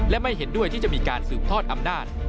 และไม่เห็นด้วยที่จะมีการสืบทอดอำนาจ